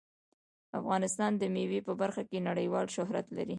افغانستان د مېوې په برخه کې نړیوال شهرت لري.